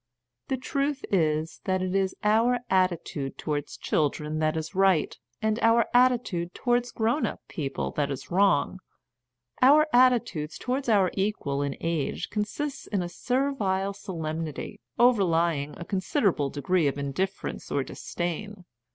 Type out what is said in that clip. The truth is that it is our attitude towards children that is right, and our attitude towards grown up people that is wrong. Our attitude towards our equals in age con sists in a servile solemnity, overlying a con siderable degree of indifference or disdain.